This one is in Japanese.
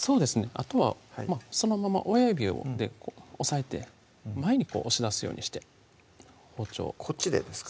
あとはまぁそのまま親指で押さえて前に押し出すようにして包丁をこっちですか？